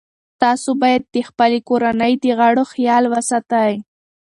تاسو باید د خپلې کورنۍ د غړو خیال وساتئ.